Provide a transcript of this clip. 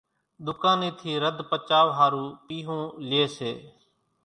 ڌُوڪانين ٿي رڌ پچاءُ ۿارُو پيۿون لئي سي،